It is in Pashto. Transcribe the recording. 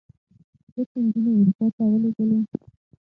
ده چې نجونې اروپا ته ولېږلې.